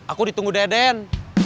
aku ditunggu deden